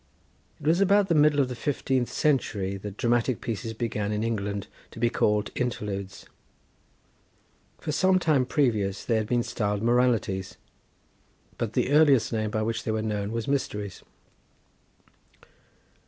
It was about the middle of the fifteenth century that dramatic pieces began in England to be called Interludes; for some time previous they had been styled Moralities; but the earliest name by which they were known was Mysteries.